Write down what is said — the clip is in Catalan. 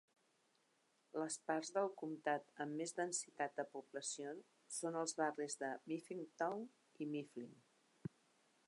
Les parts del comtat amb més densitat de població són els barris de Mifflintown i Mifflin.